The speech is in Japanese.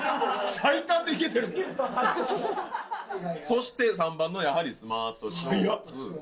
そして３番のやはりスマートショーツ。